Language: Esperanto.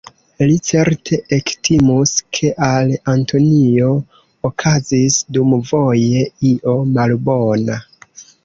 Li certe ektimus, ke al Antonio okazis dumvoje io malbona.